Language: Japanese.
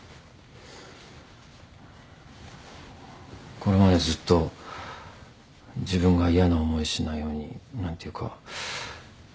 これまでずっと自分が嫌な思いしないように何ていうか。